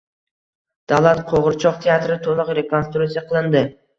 Davlat qoʻgʻirchoq teatri toʻliq rekonstruksiya qilindi